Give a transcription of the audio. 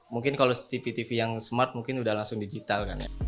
mungkin kalau tv tv yang smart mungkin udah langsung digital kan ya